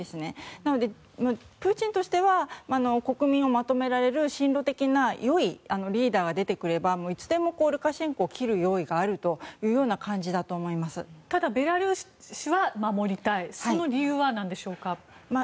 なので、プーチンとしては国民をまとめられる親露的な良いリーダーが出てくればいつでもルカシェンコを切る用意があるただベラルーシは守りたいその理由は何でしょうか？